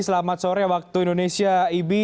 selamat sore waktu indonesia ibi